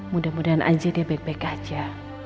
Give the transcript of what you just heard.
mudah mudahan aja dia baik baik aja